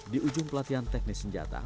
di ujung pelatihan teknis senjata